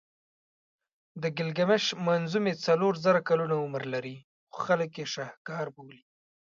د ګیلګمېش منظومې څلور زره کلونه عمر لري خو خلک یې شهکار بولي.